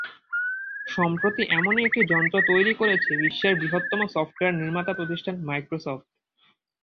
সম্প্রতি এমনই একটি যন্ত্র তৈরি করেছে বিশ্বের বৃহত্তম সফটওয়্যার নির্মাতা প্রতিষ্ঠান মাইক্রোসফট।